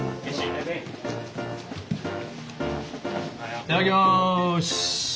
いただきます！